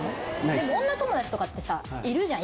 でも女友達とかってさいるじゃん？